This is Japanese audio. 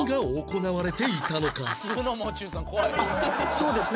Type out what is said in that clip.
そうですね